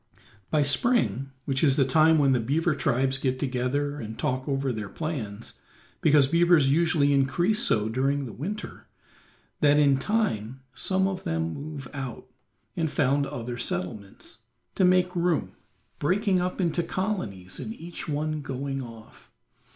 By spring, which is the time when the beaver tribes get together and talk over their plans, because beavers usually increase so during winter, that in time some of them move out, and found other settlements, to make room, breaking up into colonies and each one going off.